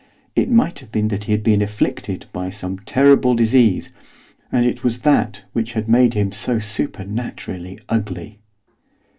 It might have been that he had been afflicted by some terrible disease, and it was that which had made him so supernaturally ugly.